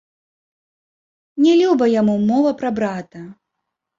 Не люба яму мова пра брата.